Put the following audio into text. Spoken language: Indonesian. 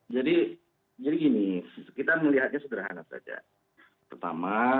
jadi jadi gini kita melihatnya sederhana saja